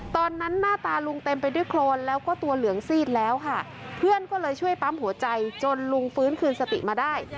หน้าตาลุงเต็มไปด้วยโครนแล้วก็ตัวเหลืองซีดแล้วค่ะเพื่อนก็เลยช่วยปั๊มหัวใจจนลุงฟื้นคืนสติมาได้